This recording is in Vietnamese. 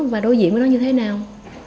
và đối diện với nó như thế nào